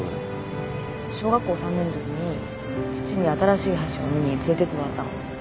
うん小学校３年ときに父に新しい橋を見に連れてってもらったの。